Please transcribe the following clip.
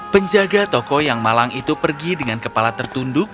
penjaga toko yang malang itu pergi dengan kepala tertunduk